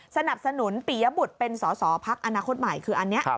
สนับสนุนปียบุตรเป็นสอสอพักอนาคตใหม่คืออันนี้